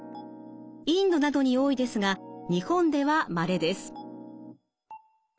インドなどに多いですが日本ではまれです。